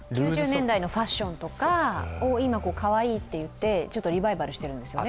９０年代のファッションを今かわいいって言ってリバイバルしているんですよね。